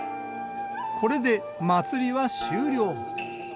これで祭りは終了。